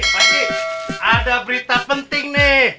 pak g ada berita penting nih